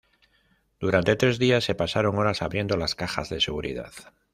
Durante tres días se pasaron horas abriendo las cajas de seguridad.